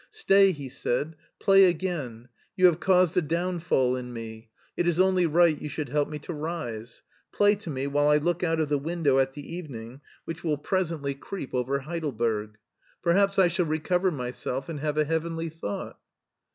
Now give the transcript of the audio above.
"Stay," he said, "play again. You have caused a downfall in me; it is only right you should help me to rise. Play to me while I look out of the window at the evening which will presently lo MARTIN SGHULER creep over Heidelberg. Perhaps I shall recover my self and have a heavenly thought."